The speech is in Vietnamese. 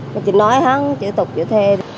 mà chị nói hắn chị tục chị thề